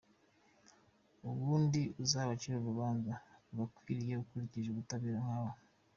Ubundi uzabacire urubanza rubakwiriye ukurikije kutabera kwawe.